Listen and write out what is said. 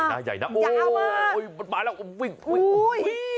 ตัวใหญ่นะอย่าเอามากโอ้โหมันมาแล้ววิ่งวิ่งโอ้โห